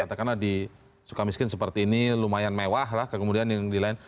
kalau misalnya ada penjara yang bikin seperti ini lumayan mewah lah kemudian yang di lain